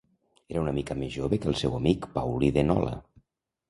Era una mica més jove que el seu amic Paulí de Nola.